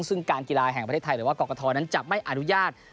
ซึ่งการกีฬาแห่งประเทศไทยหรือว่ากรกฐนั้นจะไม่อนุญาต